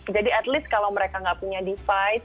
jadi at least kalau mereka gak punya device